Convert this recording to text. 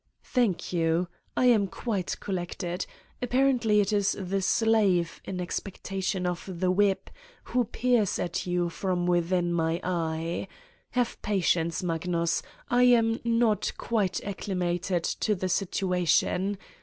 6 i Thank you. I am quite collected. Apparently it is the slave, in expectation of the whip, who peers at you from within my eye. Have patience, Magnus. I am not quite acclimated to the situa tion.